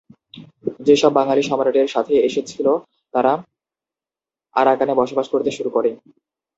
যে সব বাঙালি সম্রাটের সাথে এসেছিল তারা আরাকানে বসবাস করতে শুরু করে।